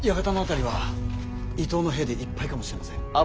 館の辺りは伊東の兵でいっぱいかもしれません。